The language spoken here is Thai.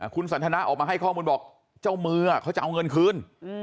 คุณสันทนาออกมาให้ข้อมูลบอกเจ้ามือเขาจะเอาเงินคืน